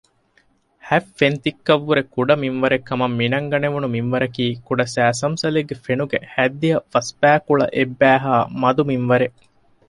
ހަތް ފެންތިއްކަކަށްވުރެ ކުޑަ މިންވަރެއްކަމަށް މިނަންގަނެވުނު މިންވަރަކީ ކުޑަ ސައިސަމްސަލެއްގެ ފެނުގެ ހަތްދިހަ ފަސްބައިކުޅަ އެއްބައިހާ މަދު މިންވަރެއް